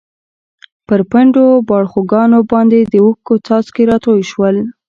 پر پڼډو باړخوګانو باندې د اوښکو څاڅکي راتوی شول.